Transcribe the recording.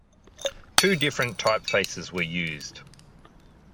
Two different typefaces were used.